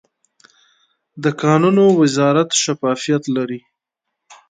د کانونو وزارت شفافیت لري؟